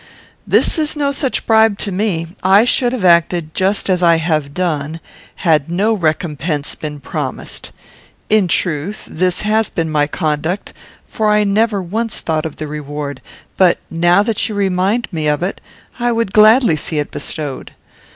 "This is no such bribe to me. I should have acted just as I have done, had no recompense been promised. In truth, this has been my conduct, for I never once thought of the reward; but, now that you remind me of it, I would gladly see it bestowed.